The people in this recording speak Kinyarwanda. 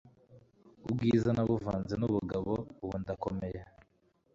ubwiza nabuvanze n'ubugabo ubu ndakomeye